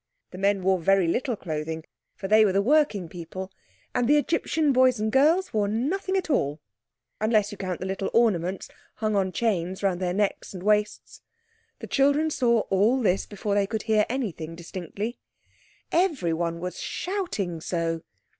The men wore very little clothing—for they were the working people—and the Egyptian boys and girls wore nothing at all, unless you count the little ornaments hung on chains round their necks and waists. The children saw all this before they could hear anything distinctly. Everyone was shouting so.